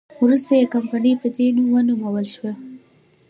وروسته یې کمپنۍ په دې نوم ونومول شوه.